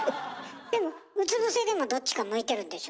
でもうつ伏せでもどっちか向いてるんでしょ？